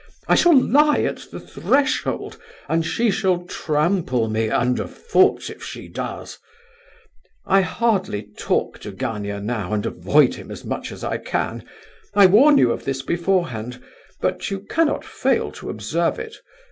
I shall lie at the threshold, and she shall trample me underfoot if she does. I hardly talk to Gania now, and avoid him as much as I can. I warn you of this beforehand, but you cannot fail to observe it.